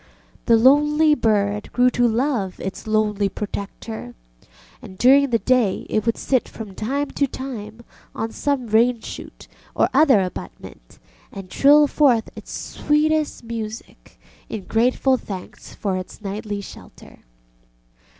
The lonely bird grew to love its lonely protector, and during the day it would sit from time to time on some rainshoot or other abutment and trill forth its sweetest music in grateful thanks for its nightly shelter.